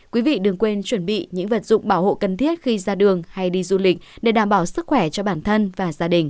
quý vị đừng quên chuẩn bị những vật dụng bảo hộ cần thiết khi ra đường hay đi du lịch để đảm bảo sức khỏe cho bản thân và gia đình